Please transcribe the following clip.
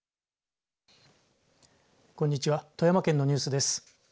こんにちは富山県のニュースです。